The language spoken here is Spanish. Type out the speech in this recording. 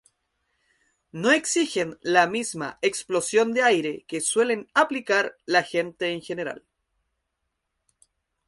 No exigen la misma explosión de aire que suelen aplicar la gente en general.